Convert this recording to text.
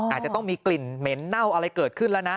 อาจจะต้องมีกลิ่นเหม็นเน่าอะไรเกิดขึ้นแล้วนะ